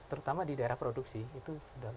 terutama di daerah produksi itu sudah